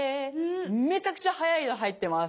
めちゃくちゃ速いの入ってます。